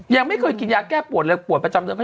ยังไม่เคยกินยาแก้ปวดเลยปวดประจำเดือน